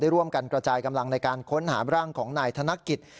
ร่วมกันกระจายกำลังในการค้นหาร่างของนายธนกิจ